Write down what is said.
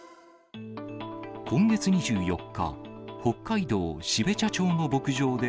今月２４日、北海道標茶町の牧場で、